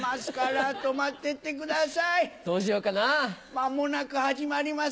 間もなく始まります